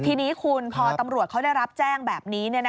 ทีนี้คุณพอตำรวจเขาได้รับแจ้งแบบนี้